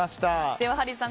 ではハリーさん